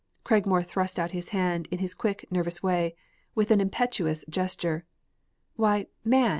Cragmore thrust out his hand, in his quick, nervous way, with an impetuous gesture. "Why, man!"